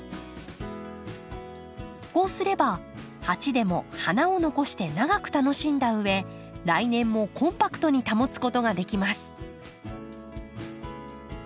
こうすれば鉢でも花を残して長く楽しんだうえ来年もコンパクトに保つことができます。